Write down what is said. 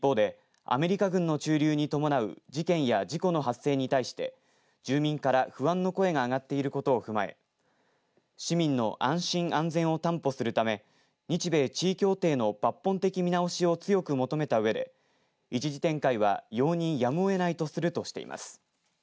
一方で、アメリカ軍の駐留に伴う事件や事故の発生に対して住民から不安の声が上がっていることを踏まえ市民の安心安全を担保するため日米地位協定の抜本的な見直しを強く求めたうえで一時的な容認をやむを得ないとするとしています。